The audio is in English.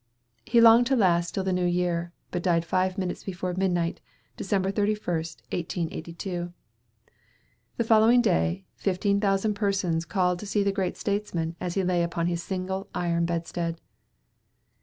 He longed to last till the New Year, but died five minutes before midnight, Dec. 31, 1882. The following day, fifteen thousand persons called to see the great statesman as he lay upon his single iron bedstead.